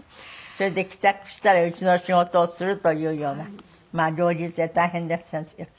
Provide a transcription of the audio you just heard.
それで帰宅したら家の仕事をするというような両立で大変でいらしたんですけど。